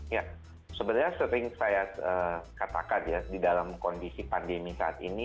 ya sebenarnya sering saya katakan ya di dalam kondisi pandemi saat ini